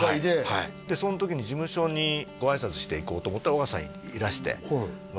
はいその時に事務所にごあいさつしていこうと思ったら緒形さんいらしてはい